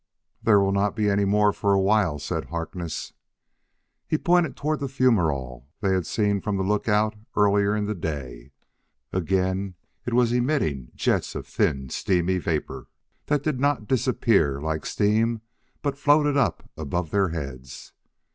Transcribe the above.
"There will not be any more for a while," said Harkness. He pointed toward the fumerole they had seen from the lookout earlier in the day: again it was emitting jets of thin, steamy vapor that did not disappear like steam but floated up above their heads.